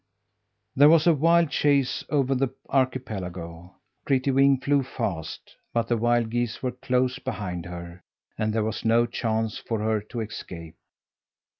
There was a wild chase over the archipelago. Prettywing flew fast, but the wild geese were close behind her, and there was no chance for her to escape.